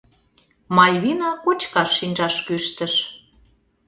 Мальвина кочкаш шинчаш кӱштыш.